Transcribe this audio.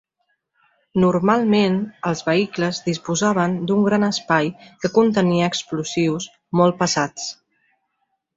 Normalment, els vehicles disposaven d'un gran espai que contenia explosius molt pesats.